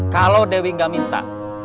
kalau dewi nggak minta